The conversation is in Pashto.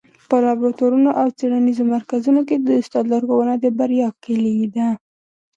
په لابراتوارونو او څېړنیزو مرکزونو کي د استاد لارښوونه د بریا کيلي ده.